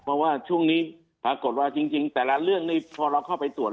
เพราะว่าช่วงนี้ปรากฏว่าจริงแต่ละเรื่องนี้พอเราเข้าไปตรวจ